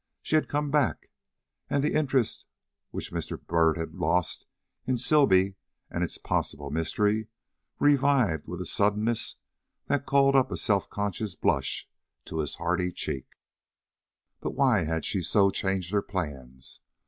She had come back, and the interest which Mr. Byrd had lost in Sibley and its possible mystery, revived with a suddenness that called up a self conscious blush to his hardy cheek. But why had she so changed her plans?